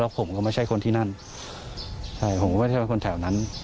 ผมก็ไม่ใช่คนที่นั่นใช่ผมก็ไม่ใช่เป็นคนแถวนั้น